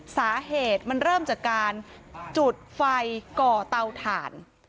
สาเหตุมันเริ่มจากการจุดไฟก่อเตาถ่าน